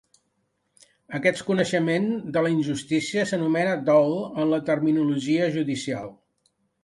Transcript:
Aquest coneixement de la injustícia s’anomena ‘dol’ en la terminologia judicial.